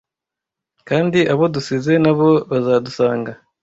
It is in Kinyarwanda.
kandi abo dusize nabo bazadusanga